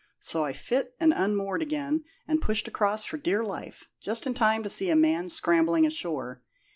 So I fit and unmoored again, and pushed across for dear life, just in time to see a man scrambling ashore.